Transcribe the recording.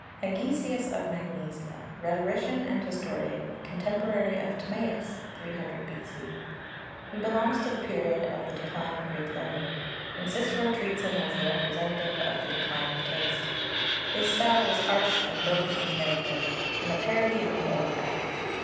HEGESIAS of Magnesia, rhetorician and historian, contemporary of Timaeus (300 B.C.) He belongs to the period of the decline of Greek learning, and Cicero treats him as the representative of the decline of taste. His style was harsh and broken in character, and a parody on the Old Attic.